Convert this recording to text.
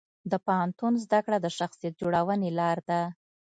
د پوهنتون زده کړه د شخصیت جوړونې لار ده.